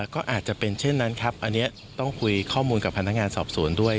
ก็อาจจะเป็นเช่นนั้นครับอันนี้ต้องคุยข้อมูลกับพนักงานสอบสวนด้วย